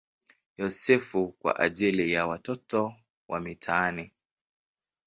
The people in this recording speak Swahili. Yosefu" kwa ajili ya watoto wa mitaani.